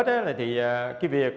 trước mất thì cái việc